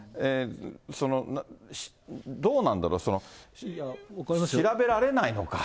そのどうなんだろう、調べられないのか。